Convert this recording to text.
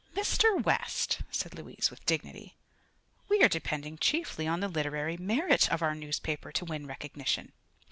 "Mr. West," said Louise, with dignity, "we are depending chiefly on the literary merit of our newspaper to win recognition."